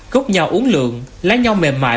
cốc nho uống lượng lái nho mềm mại